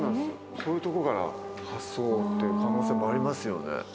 そういうとこから発想という可能性もありますよね。